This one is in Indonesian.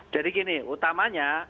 jadi gini utamanya